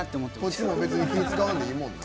こっちも別に気を遣わなくてもええもんな。